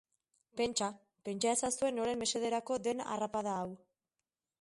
Pentsa, pentsa ezazue noren mesederako den harrapada hau.